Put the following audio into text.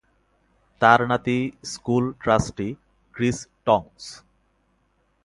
তার নাতি school trustee Chris টঙ্কস।